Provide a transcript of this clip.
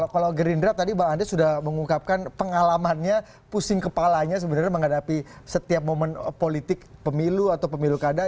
kalau gerindra tadi bang andes sudah mengungkapkan pengalamannya pusing kepalanya sebenarnya menghadapi setiap momen politik pemilu atau pemilu kada